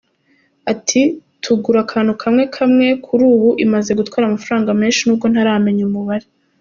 Ati “Tugura akantu kamwe kamwe; kuri ubu imaze gutwara amafaranga menshi nubwo ntaramenya umubare.